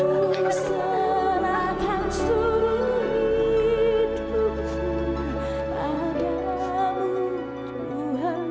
aku serahkan seluruh hidupku